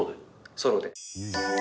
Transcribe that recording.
ソロで。